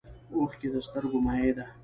اوښکې د سترګو مایع ده